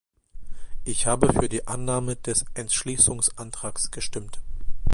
Ich habe für die Annahme des Entschließungsantrags gestimmt.